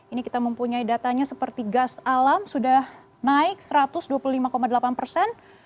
ini kita mempunyai datanya seperti gas alam sudah naik satu ratus dua puluh lima delapan persen